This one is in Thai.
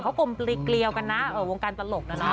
เขากลมเกลียวกันนะวงการตลกนั้นนะ